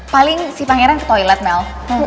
paling si pangeran ke toilet mell